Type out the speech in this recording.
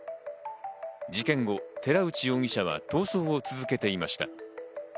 事件後、寺内容疑者は逃走を続けていました。